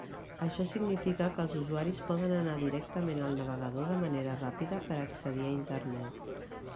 Això significa que els usuaris poden anar directament al navegador de manera ràpida per accedir a Internet.